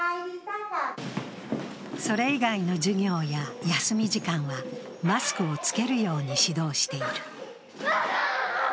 それ以外の授業や休み時間は、マスクを着けるように指導している。